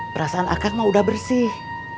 perasaan akad mah udah bersih